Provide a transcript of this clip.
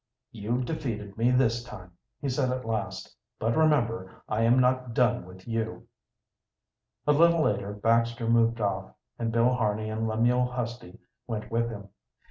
"You've defeated me this time," he said, at last. "But, remember, I am not done with you." A little later Baxter moved off, and Bill Harney and Lemuel Husty went with him.